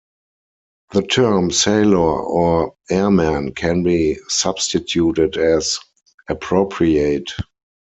The term "Sailor" or "Airman" can be substituted, as appropriate.